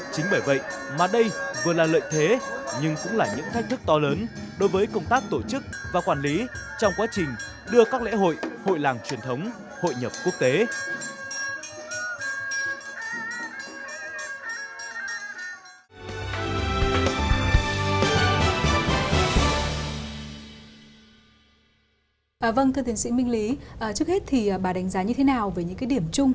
chính bởi vậy mà đây vừa là lợi thế nhưng cũng là những thách thức to lớn đối với công tác tổ chức và quản lý trong quá trình đưa các lễ hội hội làng truyền thống hội nhập quốc tế